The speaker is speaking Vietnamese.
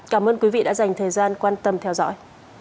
cảm ơn quý vị đã dành thời gian quan tâm theo dõi